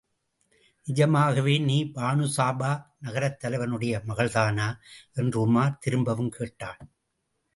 நிஜமாகவே, நீ பானுசாபா நகரத் தலைவனுடைய மகள்தானா? என்று உமார் திரும்பவும் கேட்டான்.